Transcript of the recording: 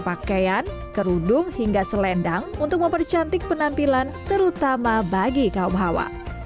pakaian kerudung hingga selendang untuk mempercantik penampilan terutama bagi kaum hawa